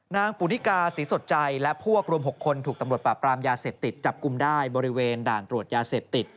ปุนิกาศรีสดใจและพวกรวม๖คนถูกตำรวจปราบปรามยาเสพติดจับกลุ่มได้บริเวณด่านตรวจยาเสพติด